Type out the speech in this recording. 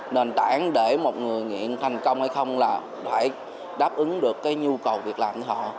nền tảng để một người nghiện thành công hay không là phải đáp ứng được cái nhu cầu việc làm của họ